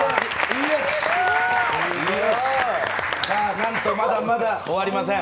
なんと、まだまだ終わりません。